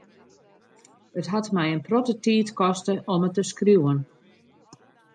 It hat my in protte tiid koste om it te skriuwen.